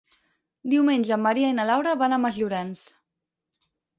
Diumenge en Maria i na Laura van a Masllorenç.